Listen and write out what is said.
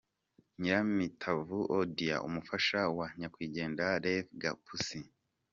Nyiramitavu Odia umufasha wa nyakwigendera Rev Gapusi.